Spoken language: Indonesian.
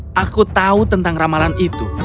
tapi aku tahu tentang ramalan itu